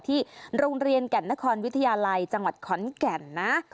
ที่โรงเรียนแก่นนครวิทยาลัยจังหวัดขอนแก่นนะ